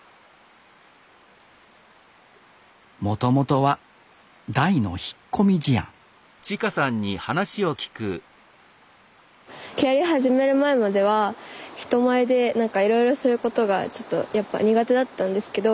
もともとは大の引っ込み思案木遣り始める前までは人前でなんかいろいろすることがちょっとやっぱ苦手だったんですけど。